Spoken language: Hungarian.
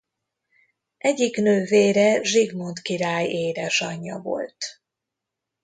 Egyik nővére Zsigmond király édesanyja volt.